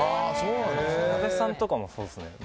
阿部さんとかはそうですね。